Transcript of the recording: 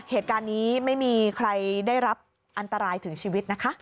เหตุการณ์นี้ไม่มีใครได้รับอันตรายถึงชีวิตนะคะ